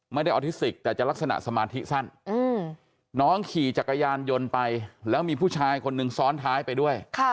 ออทิสติกแต่จะลักษณะสมาธิสั้นน้องขี่จักรยานยนต์ไปแล้วมีผู้ชายคนนึงซ้อนท้ายไปด้วย